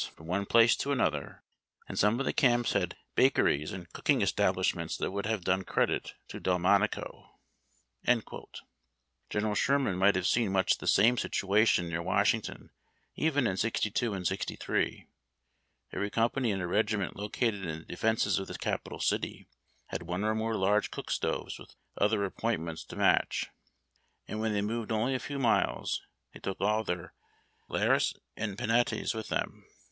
from one place to another, and some of the camps had liaker ies and cooking establishments that would liave done credit to Delmonico." General Sherman might have seen much the same situa tion near Washington even in '62 and "63. Every company in a regiment located in the defences of the capital city had one or more large cook stoves with other appointments to match, and when they moved only a few miles they took all their lares and penates with them.